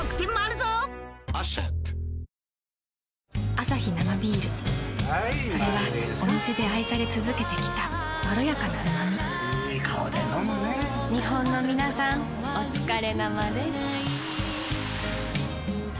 アサヒ生ビールそれはお店で愛され続けてきたいい顔で飲むね日本のみなさんおつかれ生です。